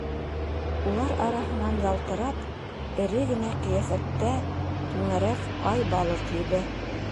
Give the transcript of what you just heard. Улар араһынан ялтырап эре генә ҡиәфәттә түңәрәк ай-балыҡ йөҙә.